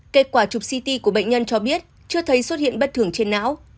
kết quả chụp ct của bệnh nhân cho biết chưa thấy xuất hiện bất thường trên não